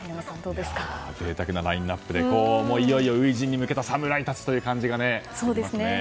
贅沢なラインアップでいよいよ初陣に向けた侍たちという感じがしますね。